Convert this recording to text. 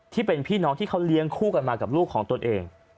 ที่เป็นพี่น้องที่เขาเลี้ยงคู่กันมากับลูกของตนเอง